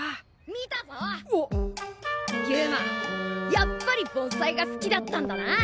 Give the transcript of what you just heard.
やっぱり盆栽が好きだったんだな！